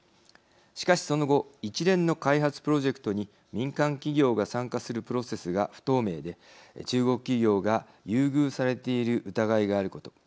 しかしその後一連の開発プロジェクトに民間企業が参加するプロセスが不透明で中国企業が優遇されている疑いがあること。